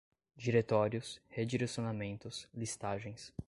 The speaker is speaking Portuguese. diretórios, redirecionamentos, listagens